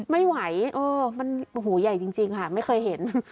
ไม่ไหวเออมันหูใหญ่จริงค่ะไม่เคยเห็น